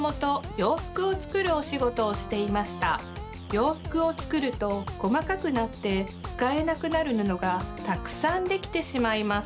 ようふくをつくるとこまかくなってつかえなくなる布がたくさんできてしまいます。